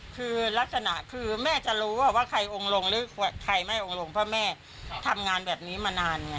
คือลักษณะคือแม่จะรู้ว่าใครองค์ลงหรือใครไม่องค์ลงเพราะแม่ทำงานแบบนี้มานานไง